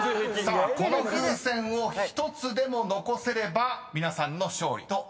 ［この風船を１つでも残せれば皆さんの勝利となります］